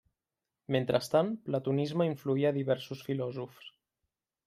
Mentrestant, Platonisme influïa diversos filòsofs.